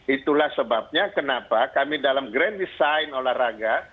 itulah sebabnya kenapa kami dalam grand design olahraga